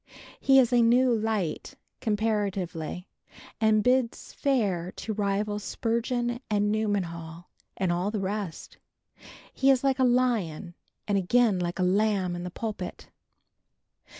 He is a new light, comparatively, and bids fair to rival Spurgeon and Newman Hall and all the rest. He is like a lion and again like a lamb in the pulpit.